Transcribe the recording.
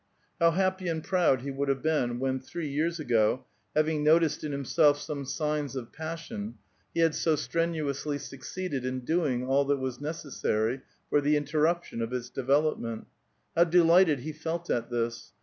How happy and proud he had been when, three years ago, having noticed in himself some signs of passion, he had so strenuously succeeded in doing all that was neces sary for the interiTiption of its development. How delighted he felt at this